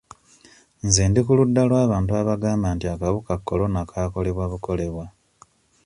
Nze ndi ku ludda lw'abantu abagamba nti akawuka korona kaakolebwa bukolebwa.